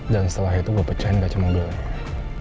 dan setelah itu gue pecahin gajah mobilnya